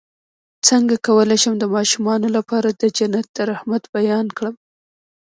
څنګه کولی شم د ماشومانو لپاره د جنت د رحمت بیان کړم